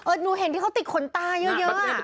หนูเห็นที่เขาติดขนตาเยอะ